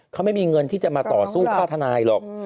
เขาไม่มีเงินที่จะมาต่อสู้ค่าทนายหรอก